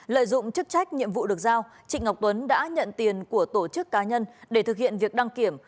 lợi dụng chức trách nhiệm vụ được giao trịnh ngọc tuấn đã nhận tiền của tổ chức cá nhân để thực hiện việc đăng kiểm